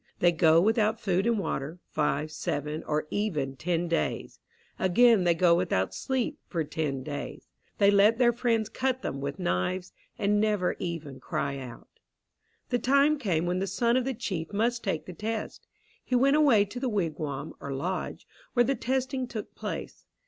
They go without food and water, five, seven, or even ten days. Again they go without sleep for ten days. They let their friends cut them with knives and never even cry out. The time came when the son of the chief must take the test. He went away to the wigwam, or lodge, where the testing took place.